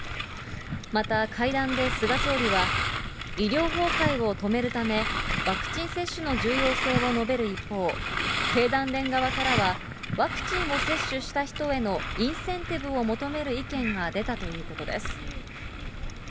また、会談で菅総理は、医療崩壊を止めるため、ワクチン接種の重要性を述べる一方、経団連側からは、ワクチンを接種した人へのインセンティブを求める意見が出たということです。